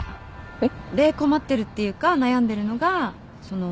えっ？